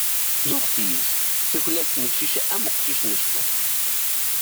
Zuxet yis-s, tuklal ttnefcic am uqcic n ccuq.